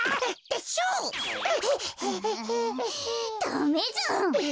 ダメじゃん。